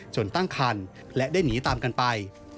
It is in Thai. ตั้งคันและได้หนีตามกันไป